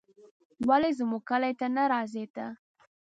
ولې زموږ کلي ته نه راځې ته